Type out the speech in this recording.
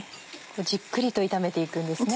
じっくりと炒めて行くんですね。